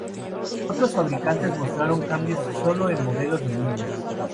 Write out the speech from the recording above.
Otros fabricantes mostraron cambios sólo en los modelos de línea.